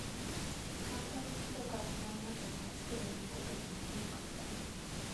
簡単に外から穴の中に助けに行くことも出来なかった。